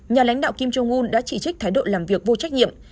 nhà lãnh đạo kim jong un đã chỉ trích thái độ làm việc vô trách nhiệm